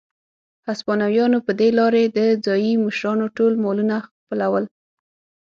هسپانویانو په دې لارې د ځايي مشرانو ټول مالونه خپلول.